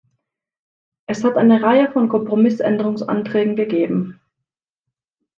Es hat eine Reihe von Kompromissänderungsanträgen gegeben.